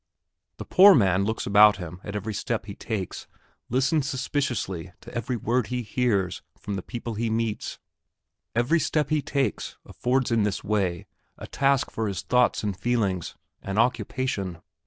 The poor man looks about him at every step he takes, listens suspiciously to every word he hears from the people he meets, every step he takes affords in this way a task for his thoughts and feelings an occupation.